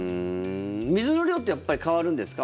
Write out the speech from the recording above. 水の量ってやっぱり変わるんですか？